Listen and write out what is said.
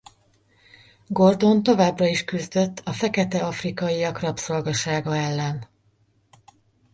Gordon továbbra is küzdött a fekete afrikaiak rabszolgasága ellen.